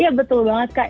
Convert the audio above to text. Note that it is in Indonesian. iya betul banget kak